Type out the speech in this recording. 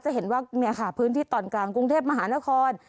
จะเห็นว่าพื้นที่ตอนกลางกรุงเทพฯมหานคร